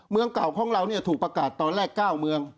เมืองเก่าของเราถูกประกาศตอนแรก๙เมือง